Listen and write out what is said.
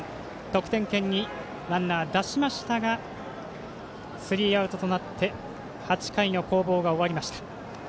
得点圏にランナー出しましたがスリーアウトとなって８回の攻防が終わりました。